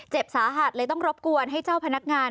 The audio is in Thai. สาหัสเลยต้องรบกวนให้เจ้าพนักงาน